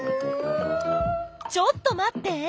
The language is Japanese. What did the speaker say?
ちょっと待って！